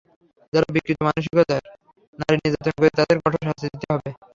যারা বিকৃত মানসিকতার, নারী নির্যাতন করে, তাদের কঠোর শাস্তি দিতে হবে।